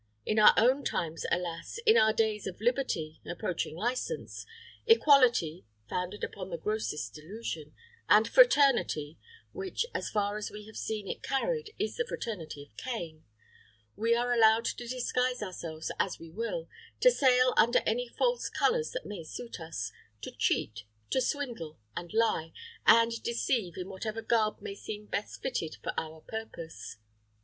In our own times, alas in our days of liberty (approaching license), equality (founded upon the grossest delusion), and fraternity (which, as far as we have seen it carried, is the fraternity of Cain), we are allowed to disguise ourselves as we will, to sail under any false colors that may suit us, to cheat, and swindle, and lie, and deceive in whatever garb may seem best fitted for our purpose.